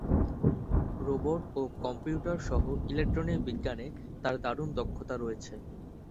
Robot ও computer সহ electronic বিজ্ঞানে তার দারুণ দক্ষতা রয়েছে।